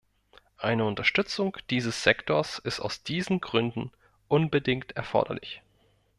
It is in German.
Eine Unterstützung dieses Sektors ist aus diesen Gründen unbedingt erforderlich.